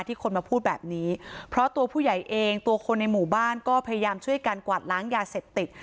คนมาพูดแบบนี้เพราะตัวผู้ใหญ่เองตัวคนในหมู่บ้านก็พยายามช่วยกันกวาดล้างยาเสพติด